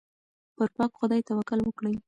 پر پاک خدای توکل وکړئ.